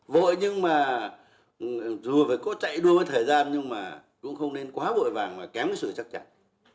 vội nhưng mà dù phải có chạy đua với thời gian nhưng mà cũng không nên quá vội vàng mà kém cái sự chắc chắn